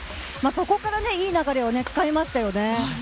そこからいい流れをつかみましたね。